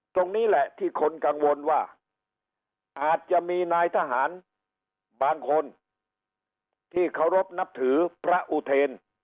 ตรงนี้แหละที่คนกังวลว่าอาจจะมีนายทหารบางคนที่เคารพนับถือพระอุเทน